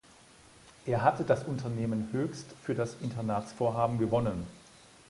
Er hatte das Unternehmen Hoechst für das Internatsvorhaben gewonnen.